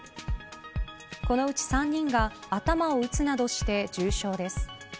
このうち３人が頭を打つなどして重傷です。